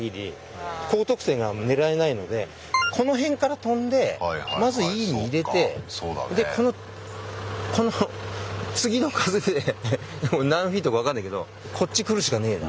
この辺から飛んでまずＥに入れてこのこの次の風で何フィートか分かんないけどこっち来るしかねぇな。